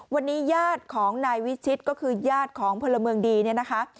วันนี้ญาติของนายวิชิตก็คือญาติของพลเมืองดีเนี่ยนะคะ